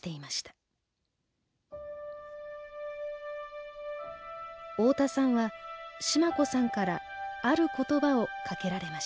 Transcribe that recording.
大田さんはシマ子さんからある言葉をかけられました。